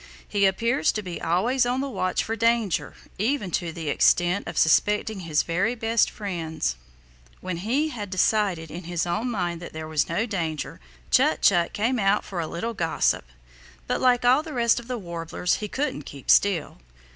He appears to be always on the watch for danger, even to the extent of suspecting his very best friends. When he had decided in his own mind that there was no danger, Chut Chut came out for a little gossip. But like all the rest of the Warblers he couldn't keep still.